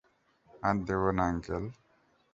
আর দেব না, আংকেল।